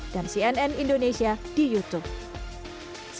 dan cnn indonesia di youtube